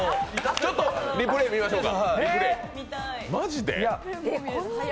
ちょっとリプレー見ましょうか。